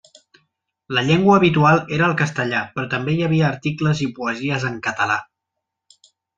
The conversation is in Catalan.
La llengua habitual era el castellà, però també hi havia articles i poesies en català.